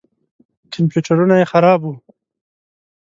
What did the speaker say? کمپیوټرونه یې خراب وو.